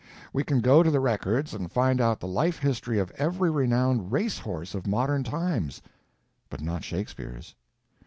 We can go to the records and find out the life history of every renowned race horse of modern times—but not Shakespeare's!